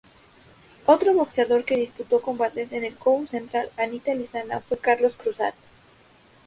Otro boxeador que disputó combates en el Court Central Anita Lizana fue Carlos Cruzat.